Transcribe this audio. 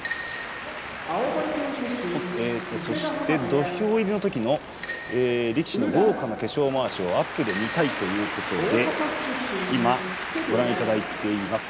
土俵入りのときの力士の豪華な化粧まわしをアップで見たいということでご覧いただいています。